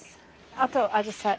あとアジサイ。